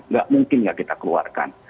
nggak mungkin nggak kita keluarkan